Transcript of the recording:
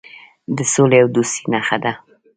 د سولې او دوستۍ نښه ده.